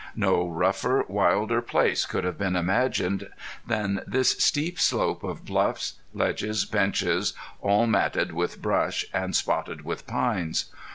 No rougher, wilder place could have been imagined than this steep slope of bluffs, ledges, benches, all matted with brush, and spotted with pines.